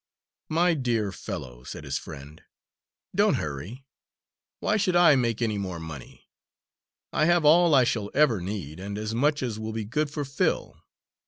"My dear fellow," said his friend, "don't hurry. Why should I make any more money? I have all I shall ever need, and as much as will be good for Phil.